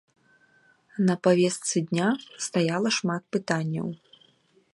На павестцы дня стаяла шмат пытанняў.